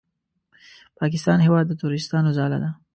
پاکستان هېواد د تروریستانو ځاله ده!